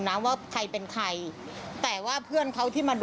นิสัยดีนะครับเพราะว่า